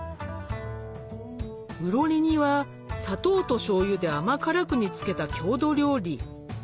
うろり煮は砂糖としょうゆで甘辛く煮付けた郷土料理